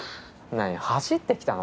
何走って来たの？